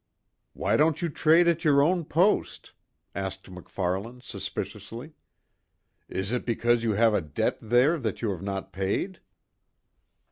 "Why don't you trade at your own post?" asked MacFarlane, suspiciously. "Is it because you have a debt there that you have not paid?"